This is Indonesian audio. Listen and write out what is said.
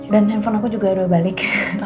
dan handphone aku juga udah balik